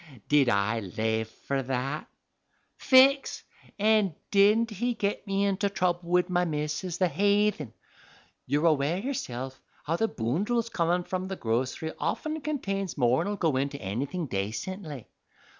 Did I lave fur that? Faix an' didn't he get me into trouble wid my missus, the haythin? You're aware yerself how the boondles comin' from the grocery often contains more'n'll go into anything dacently.